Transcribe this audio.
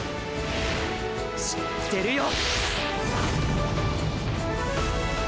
知ってるよ。